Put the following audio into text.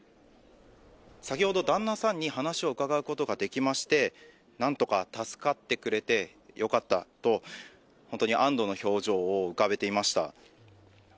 先ほど旦那さんに話を伺うことができまして、なんとか助かってくれてよかったと本当に安どの表情を浮かべていました。